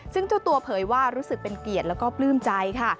ซึ่งเจ้าตัวเผยว่ารู้สึกเป็นเกียรติแล้วก็ปลื้มใจค่ะ